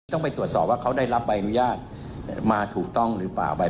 ต้องไปตรวจสอบว่าเขาได้รับใบอนุญาตมาถูกต้องหรือเปล่าไป